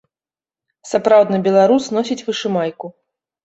Сапраўдны беларус носіць вышымайку.